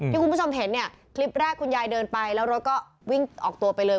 คุณผู้ชมเห็นเนี่ยคลิปแรกคุณยายเดินไปแล้วรถก็วิ่งออกตัวไปเลย